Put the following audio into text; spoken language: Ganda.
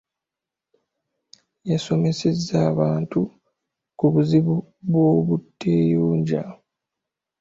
Yasomesezza abantu ku buzibu bw'obuteeyonja.